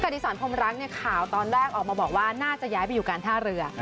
อดีศรพรมรักเนี่ยข่าวตอนแรกออกมาบอกว่าน่าจะย้ายไปอยู่การท่าเรือ